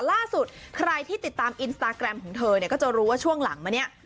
ล่าสุดใครที่ติดตามอินสตาแกรมของเธอเนี่ยก็จะรู้ว่าช่วงหลังมาเนี่ย